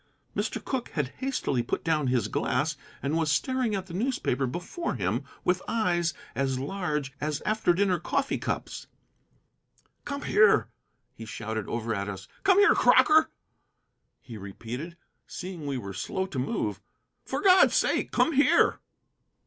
Mr. Cooke had hastily put down his glass and was staring at the newspaper before him with eyes as large as after dinner coffee cups. "Come here," he shouted over at us. "Come here, Crocker," he repeated, seeing we were slow to move. "For God's sake, come here!"